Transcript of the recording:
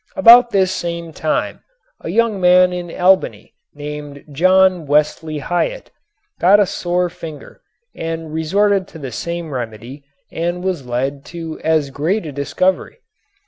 About this same time a young man in Albany, named John Wesley Hyatt, got a sore finger and resorted to the same remedy and was led to as great a discovery.